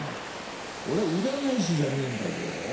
俺は占い師じゃねえんだぞ。